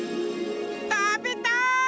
たべたい！